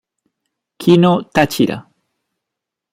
Kino Táchira